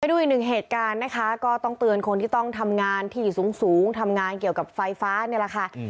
ดูอีกหนึ่งเหตุการณ์นะคะก็ต้องเตือนคนที่ต้องทำงานที่สูงสูงทำงานเกี่ยวกับไฟฟ้านี่แหละค่ะ